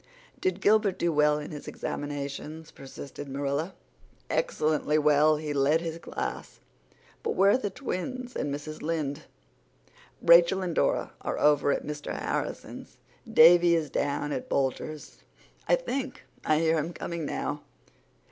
"Did Gilbert do well in his examinations?" persisted Marilla. "Excellently well. He led his class. But where are the twins and Mrs. Lynde?" "Rachel and Dora are over at Mr. Harrison's. Davy is down at Boulters'. I think I hear him coming now."